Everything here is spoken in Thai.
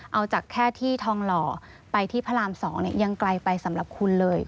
เอาจากแค่ที่ทองหล่อไปที่พระราม๒ยังไกลไปสำหรับคุณเลย